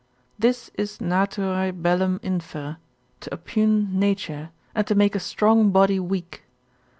This is Naturae bellum inferre, to oppugn nature, and to make a strong body weak.